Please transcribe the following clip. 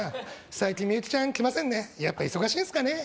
最近ミユキちゃん来ませんねやっぱ忙しいんすかね